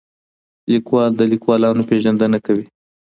لیکوال د لیکوالانو پېژندنه کوي.